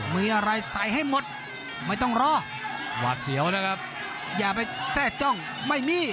มีอะไรใส่ให้หมดไม่ต้องรอหวาดเสียวนะครับอย่าไปแทร่จ้องไม่มี